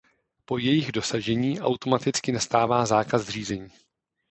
Po jejich dosažení automaticky nastává zákaz řízení.